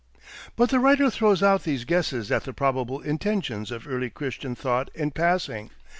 But the writer throws out these guesses at the probable intentions of early Christian thought in passing.